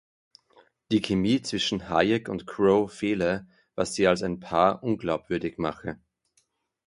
Die Chemie zwischen Hayek und Crowe fehle, was sie als ein Paar unglaubwürdig mache.